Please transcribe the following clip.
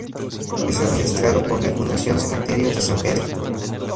Es administrado por la Fundación Cementerio de San Pedro.